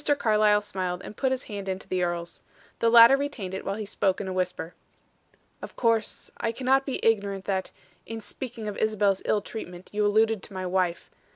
Carlyle smiled and put his hand into the earl's. The latter retained it, while he spoke in a whisper. "Of course I cannot be ignorant that, in speaking of Isabel's ill treatment, you alluded to my wife.